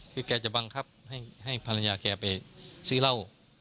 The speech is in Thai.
คือแกจะบังคับให้ภรรยาแกไปซื้อเหล้า